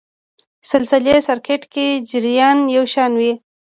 سلسلې سرکټ کې جریان یو شان وي.